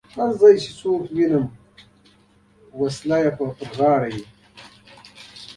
هر ځای چې څوک وینم وسله یې پر غاړه وي.